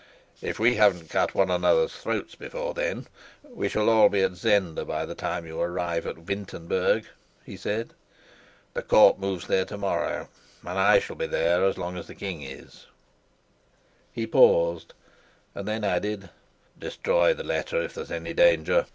"If we haven't cut one another's throats before then, we shall all be at Zenda by the time you arrive at Wintenberg," he said. "The court moves there to morrow, and I shall be there as long as the king is." He paused, and then added: "Destroy the letter if there's any danger."